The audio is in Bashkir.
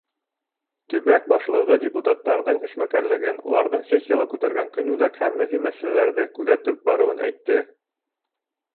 Төбәк башлығы депутаттарҙың эшмәкәрлеген, уларҙың сессияла күтәргән көнүҙәк һәм мөһим мәсьәләләрҙе күҙәтеп барыуын әйтте.